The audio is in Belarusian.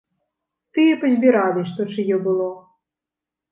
Тыя пазбіралі, што чыё было.